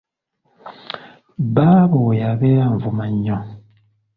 Baaba oyo abeera anvuma nnyo.